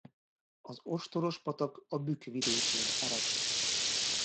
Az Ostoros-patak a Bükk-vidéken ered.